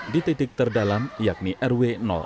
di titik terdalam yakni rw